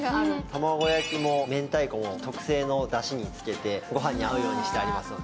卵焼きも明太子も特製のだしにつけて、ごはんに合うようにしてありますので。